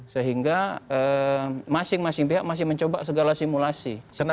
sehingga masing masing pihak masih mencoba segala simulasi